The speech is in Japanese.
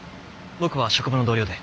僕は職場の同僚で。